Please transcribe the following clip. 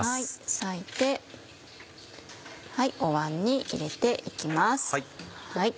割いてお碗に入れて行きます。